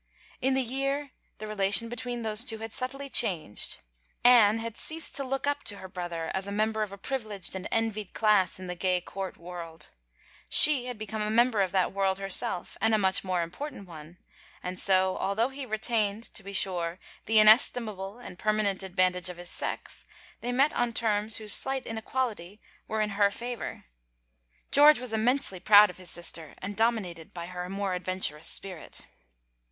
In the year the rela tion between those two had subtly changed. Anne had ceased to look up to her brother as a member of a privi leged and envied class in the gay court world: she had become a member of that world herself and a much more important one, and so, although he retained, to be sure, the inestimable and permanent advantage of his sex, they met on terms whose slight inequality were in her 143 THE FAVOR OF KINGS favor. George was immensely proud of his sister and dominated by her more adventurous spirit.